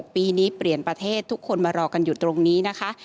ปีนี้เปลี่ยนประเทศทุกคนมารอกันอยู่ตรงนี้นะคะ